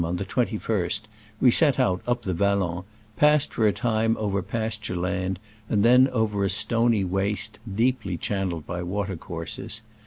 on the 21st we set out up the Vallon, passed for a time over pas ture land, and then over a stony waste, deeply channeled by water courses.